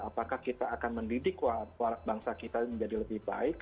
apakah kita akan mendidik warap bangsa menjadi lebih baik